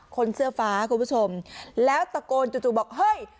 คนเสื้อฟ้าคุณผู้ชมแล้วตะโกนจู่บอกเฮ้ย